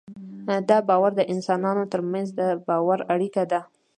دا باور د انسانانو تر منځ د باور اړیکه ده.